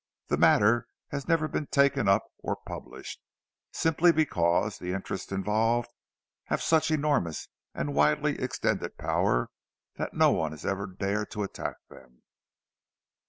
"The matter has never been taken up or published, simply because the interests involved have such enormous and widely extended power that no one has ever dared to attack them."